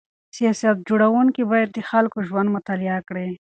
سیاست جوړونکي باید د خلکو ژوند مطالعه کړي.